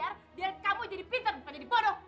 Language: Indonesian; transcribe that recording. kamu saya bayar dan kamu jadi pintar bukan jadi bodoh